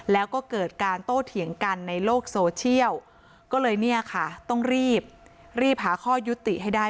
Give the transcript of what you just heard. แล้วก็เกิดการโต้เถียงกันในโลกโซเชียลก็เลยเนี่ยค่ะต้องรีบรีบหาข้อยุติให้ได้